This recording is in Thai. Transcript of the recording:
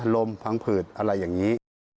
พังผืดอะไรอย่างนี้